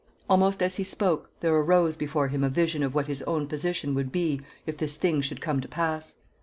Almost as he spoke, there arose before him a vision of what his own position would be if this thing should come to pass.